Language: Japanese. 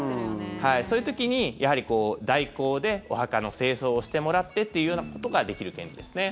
そういう時に代行でお墓の清掃をしてもらってっていうことができる券ですね。